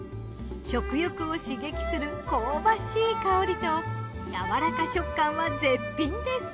食欲を刺激する香ばしい香りとやわらか食感は絶品です。